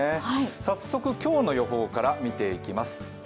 早速、今日の予報から見ていきます